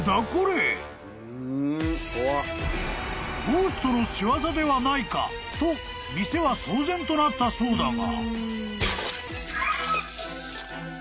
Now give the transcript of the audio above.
［ゴーストの仕業ではないか？と店は騒然となったそうだが］